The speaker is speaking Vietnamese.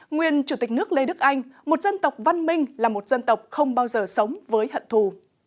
nguyên chủ tịch nước lê đức anh một dân tộc văn minh là một dân tộc không bao giờ sống với hận thù